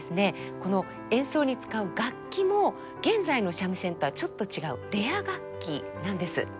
この演奏に使う楽器も現在の三味線とはちょっと違うレア楽器なんです。